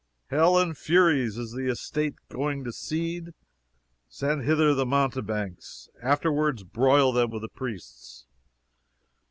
"Hell and furies! Is the estate going to seed? Send hither the mountebanks. Afterward, broil them with the priests."